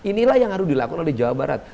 inilah yang harus dilakukan oleh jawa barat